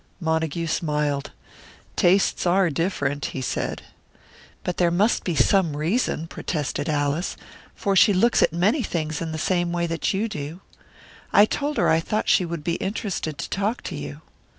Montague smiled. "Tastes are different," he said. "But there must be some reason," protested Alice. "For she looks at many things in the same way that you do. I told her I thought she would be interested to talk to you."